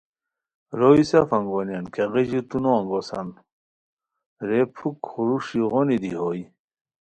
روئے سف انگونیان ،کیہ غیژی تو نو انگوسان رے پُھک خوروݰی غونی دی ہوئے